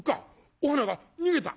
お花が逃げた」。